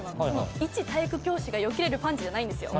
一体育教師がよけれるパンチじゃないんですよ。